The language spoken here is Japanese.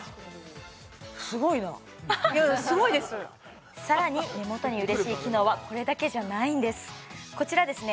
うんすごいですさらに目元に嬉しい機能はこれだけじゃないんですこちらですね